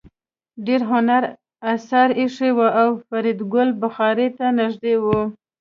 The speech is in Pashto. ډېر هنري اثار ایښي وو او فریدګل بخارۍ ته نږدې و